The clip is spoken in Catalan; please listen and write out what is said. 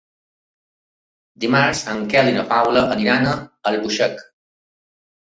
Dimarts en Quel i na Paula aniran a Albuixec.